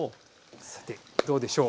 さてどうでしょう。